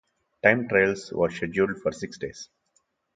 Time trials was scheduled for six days.